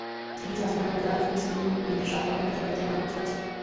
একই জাহাজে নারায়ণগঞ্জের আরিফ নিট স্পিন লিমিটেড সাত কনটেইনারে যন্ত্রপাতি আমদানি করেছে।